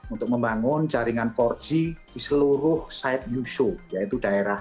untuk membangun jaringan phone dan juga untuk membangun jaringan internet